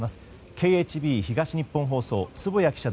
ＫＨＢ東日本放送、坪谷記者